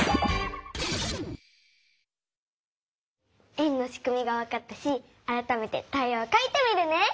円のしくみがわかったしあらためてタイヤをかいてみるね！